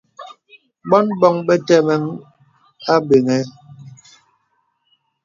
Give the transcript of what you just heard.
Bōn bǒŋ be təməŋhe àbəŋhə.